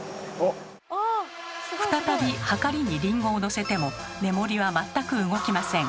再びはかりにリンゴをのせてもメモリは全く動きません。